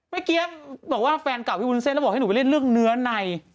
เมื่อกี้บอกว่าแฟนเก่าพี่วุ้นเส้นแล้วบอกให้หนูไปเล่นเรื่องเนื้อใน